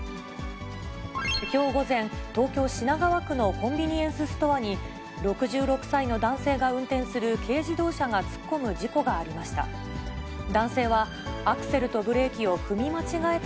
きょう午前、東京・品川区のコンビニエンスストアに、６６歳の男性が運転する軽自動車が突っ込む事故がありました。